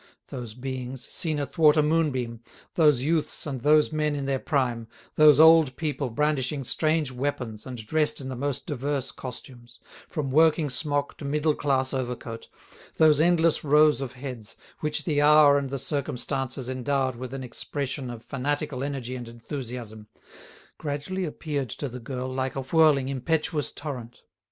Those beings, seen athwart a moonbeam, those youths and those men in their prime, those old people brandishing strange weapons and dressed in the most diverse costumes, from working smock to middle class overcoat, those endless rows of heads, which the hour and the circumstances endowed with an expression of fanatical energy and enthusiasm, gradually appeared to the girl like a whirling, impetuous torrent.